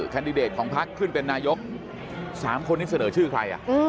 แดดิเดตของพักขึ้นเป็นนายก๓คนนี้เสนอชื่อใคร